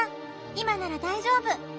いまならだいじょうぶ。